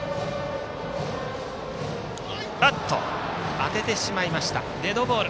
当ててしまいましたデッドボール。